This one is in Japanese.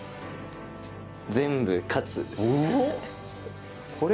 「全部勝つ」です。